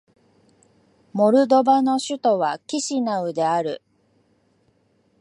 モルドバの首都はキシナウである